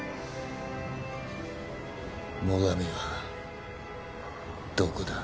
最上はどこだ？